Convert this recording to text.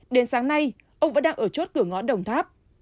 đến sáng nay ông vẫn đang ở chốt cửa ngó đồng tháp